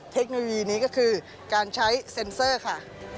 เทคโนโลยีนี้ก็คือการใช้เซ็นเซอร์ค่ะ